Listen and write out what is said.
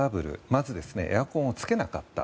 まず、エアコンをつけなかった。